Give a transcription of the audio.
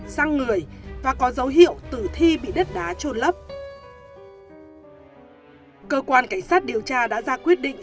sang người và có dấu hiệu tử thi bị đất đá trôn lấp cơ quan cảnh sát điều tra đã ra quyết định